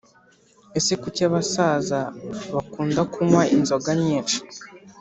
Ese kuki abasaza bakunda kunywa inzoga nyinshi